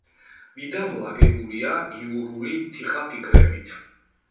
მიდამო აგებულია იურული თიხაფიქლებით.